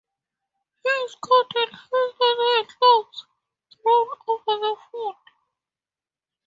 He is caught and held under a cloth thrown over the food.